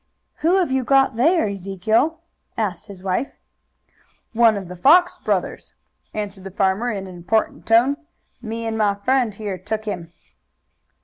"Who have you got there, Ezekiel?" asked his wife. "One of the Fox brothers!" answered the farmer in an important tone. "Me and my friend here took him."